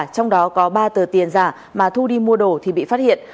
trong đó có ba tờ tiền giả mà thu đi mua đồ thì bị phát hiện